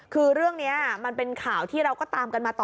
คือเรื่องนี้มันเป็นข่าวที่เราก็ตามกันมาต่อ